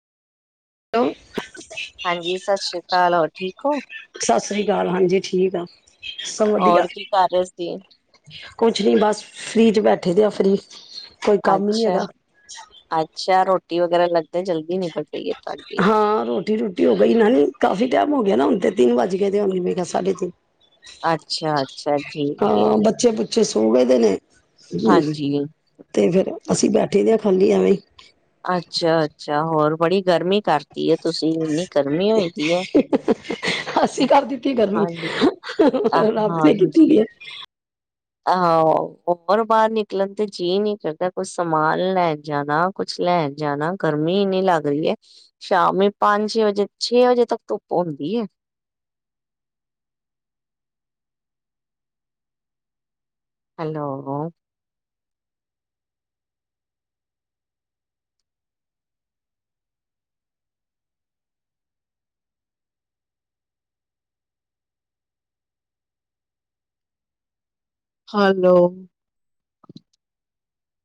Hello ਹਾਂਜੀ ਸਤਿ ਸ੍ਰੀ ਕਾਲ। ਹੋਰ ਠੀਕ ਔ? ਸਤਿ ਸ੍ਰੀ ਕਾਲ। ਹਾਂਜੀ ਠੀਕ ਆਂ। ਔਰ ਕੀ ਕਰ ਰੇ ਸੀ? ਕੁਛ ਨਈ ਬਸ ਫ੍ਰੀ 'ਚ ਬੈਠੇ ਦੇ ਆ ਫ੍ਰੀ। ਅੱਛਾ, ਅੱਛਾ ਰੋ ਟੀ ਵਗੈਰਾ ਲਗਦੈ ਜਲਦੀ ਨਿਪਟ ਗਈ ਏ ਹਾਂ ਰੋਟੀ-ਰੁਟੀ ਹੋ ਗਈ ਨਾ ਈ ਕਾਫੀ ਟਾਈਮ ਹੋ ਗਿਆ ਨਾ ਹੁਨ। ਤੇ ਤਿੰਨ ਵੱਜ ਗਏ ਦੇ ਹੋਣਗੇ ਮੇਰੇ ਖਿਆਲ ਸਾਢੇ ਤਿੰਨ ਅੱਛਾ ਅੱ ਹਾਂ ਬੱਚੇ ਬੁੱਚੇ ਸੋ ਗਏ ਦੇ ਨੇ। ਹਾਂਜੀ। ਤੇ ਫੇਰ ਅਸੀਂ ਬੈਠੇ ਦੇ ਆਂ ਖਾਲੀ ਐਵੇਂ। ਅੱਛਾ-ਅੱਛਾ ਹੋਰ ਬੜੀ ਗਰਮੀ ਕਰ ਤੀ ਏ। ਅਸੀ ਕਰ ਦਿੱਤੀ ਗਰਮੀ, ਹਾਂਜੀ ਅ ਰੱਬ ਨੇ ਕੀਤੀ ਦੀ ਹਾਂਜੀ ਏ। ਆਹੋ ਘੁੰਮਣ ਬਾਰ ਨਿਕਲਣ ਤੇ ਜੀਅ ਨੀ ਕਰਦਾ ਕੁਛ ਸਮਾਨ ਲੈਣ ਜਾਣਾ, ਕੁਛ ਲੈਣ ਜਾਣਾ ਗਰਮੀ ਇੰਨੀ ਲੱਗਦੀ ਏ ਸ਼ਾਮੀ ਪੰਜ-ਛੇ ਵਜੇ, ਛੇ ਵਜੇ ਤੱਕ ਧੁੱਪ ਹੁੰਦੀ ਏ। ਹੈਲੋ। ਹੈਲੋ।